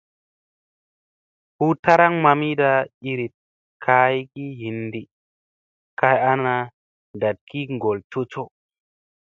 Hu taraŋ mamida iiriɗ kayki hinɗi kay ana naɗ ki ŋgol cocoo.